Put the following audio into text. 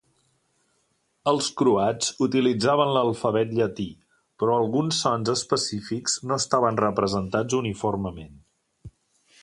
Els croats utilitzaven l'alfabet llatí, però alguns sons específics no estaven representats uniformement.